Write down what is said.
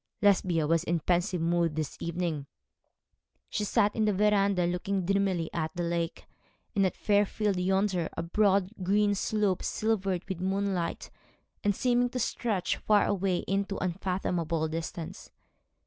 Lesbia was in a pensive mood this evening. She sat in the verandah, looking dreamily at the lake, and at Fairfield yonder, a broad green slope, silvered with moonlight, and seeming to stretch far away into unfathomable distance.